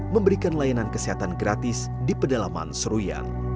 memberikan layanan kesehatan gratis di pedalaman seruyan